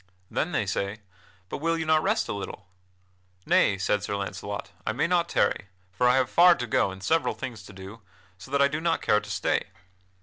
Then they say: "But will you not rest a little?" "Nay," said Sir Launcelot: "I may not tarry, for I have far to go and several things to do, so that I do not care to stay."